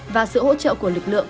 và sự hỗ trợ của lực lượng